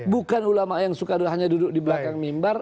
bukan ulama yang suka hanya duduk di belakang mimbar